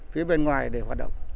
phía bên ngoài để hoạt động